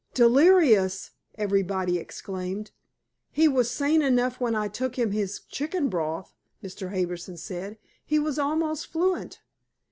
"Delirious!" everybody exclaimed. "He was sane enough when I took him his chicken broth," Mr. Harbison said. "He was almost fluent."